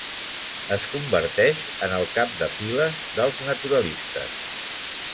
Es converteix en el cap de files dels naturalistes.